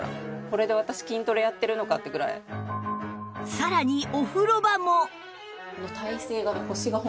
さらにお風呂場も